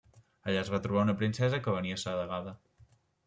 Allà es va trobar una princesa que venia assedegada.